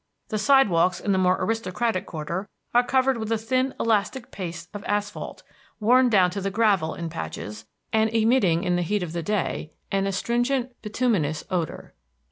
The sidewalks in the more aristocratic quarter are covered with a thin, elastic paste of asphalt, worn down to the gravel in patches, and emitting in the heat of the day an astringent, bituminous odor.